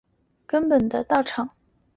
葛城二十八宿修验道之根本道场。